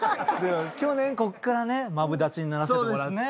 去年こっからねマブダチにならせてもらって。